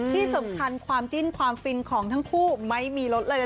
ที่สำคัญความจิ้นความฟินของทั้งคู่ไม่มีรถเลย